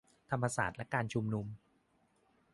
ธรรมศาสตร์และการชุมนุม